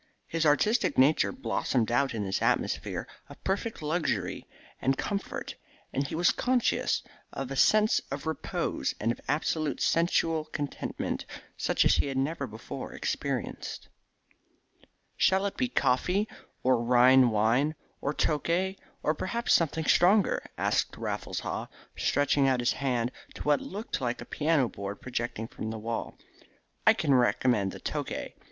His artistic nature blossomed out in this atmosphere of perfect luxury and comfort, and he was conscious of a sense of repose and of absolute sensual contentment such as he had never before experienced. "Shall it be coffee, or Rhine wine, or Tokay, or perhaps something stronger," asked Raffles Haw, stretching out his hand to what looked like a piano board projecting from the wall. "I can recommend the Tokay.